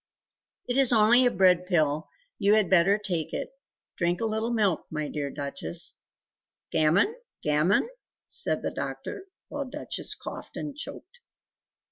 "It is only a bread pill, you had much better take it; drink a little milk, my dear Duchess!" "Gammon? Gammon?" said the doctor, while Duchess coughed and choked.